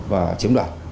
và chiếm đoạn